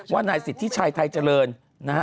ว่านายสิทธิชัยไทยเจริญนะฮะ